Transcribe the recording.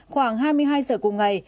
khoảng hai mươi hai giờ cùng ngày